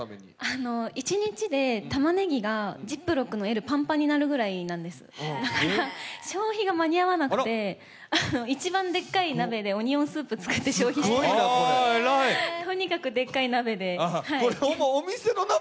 一日で、たまねぎがジップロックのＬがパンパンになるぐらいで、だから、消費が間合わなくて、一番大きな鍋でオニオンスープを作って消費してとにかくでっかい鍋で。